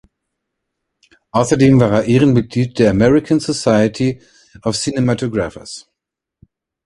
Außerdem war er Ehrenmitglied der American Society of Cinematographers.